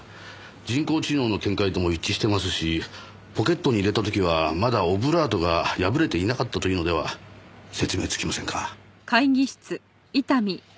人工知能の見解とも一致してますしポケットに入れた時はまだオブラートが破れていなかったというのでは説明つきませんか？